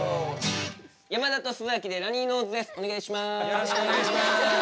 よろしくお願いします。